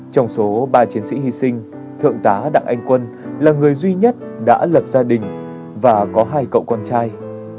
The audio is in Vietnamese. trong số ba chiến sĩ hy sinh thượng tá đặng anh quân là người duy nhất đã lập gia đình và có hai cậu con trai